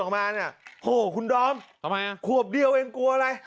โอ้โหคุณดอมขวบเดียวเองกลัวอะไร